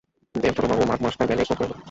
দেব ছোটবাবু, মাঘ মাসটা গেলেই শোধ করে দেব।